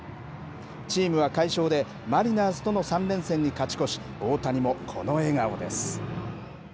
チームは快勝で、マリナーズとの３連戦に勝ち越し、大谷もこの笑顔です。